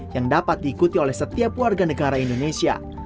yang dapat diikuti oleh setiap warga negara indonesia